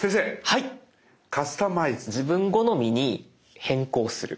はいカスタマイズは自分好みにする。